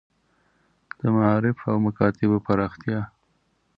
د معارف او مکاتیبو پراختیا.